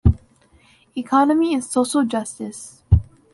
Economy and social justice.